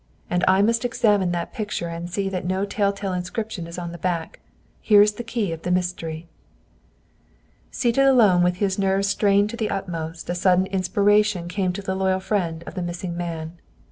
And I must examine that picture and see that no tell tale inscription is on the back. Here is the key of the mystery." Seated alone, with his nerves strained to the utmost, a sudden inspiration came to the loyal friend of the missing man.